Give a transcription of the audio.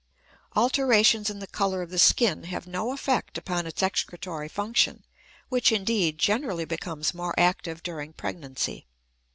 Alterations in the color of the skin have no effect upon its excretory function, which, indeed, generally becomes more active during pregnancy.